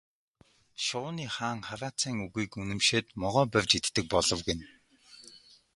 Шувууны хаан хараацайн үгийг үнэмшээд могой барьж иддэг болов гэнэ.